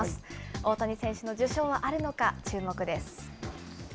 大谷選手の受賞はあるのか、注目です。